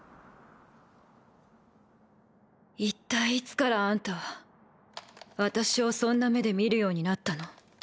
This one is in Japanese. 一体いつからあんたは私をそんな目で見るようになったの？